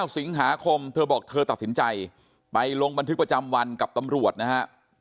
สิงหาคมเธอบอกเธอตัดสินใจไปลงบันทึกประจำวันกับตำรวจนะฮะ